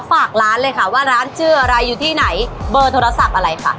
ฝากร้านเลยค่ะว่าร้านชื่ออะไรอยู่ที่ไหนเบอร์โทรศัพท์อะไรค่ะ